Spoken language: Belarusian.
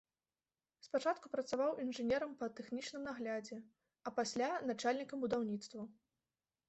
Спачатку працаваў інжынерам па тэхнічным наглядзе, а пасля начальнікам будаўніцтваў.